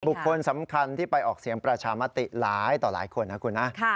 บุคคลสำคัญที่ไปออกเสียงประชามติหลายต่อหลายคนนะคุณนะ